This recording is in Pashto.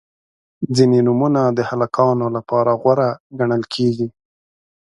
• ځینې نومونه د هلکانو لپاره غوره ګڼل کیږي.